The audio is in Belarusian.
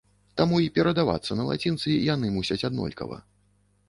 Таму і перадавацца на лацінцы яны мусяць аднолькава.